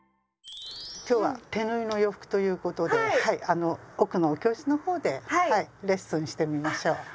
今日は手縫いの洋服ということで奥のお教室の方でレッスンしてみましょう。